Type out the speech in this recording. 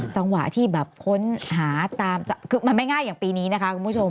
จังหวะที่แบบค้นหาตามคือมันไม่ง่ายอย่างปีนี้นะคะคุณผู้ชม